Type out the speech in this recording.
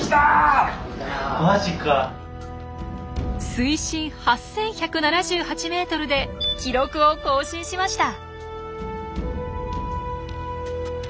水深８，１７８ｍで記録を更新しました。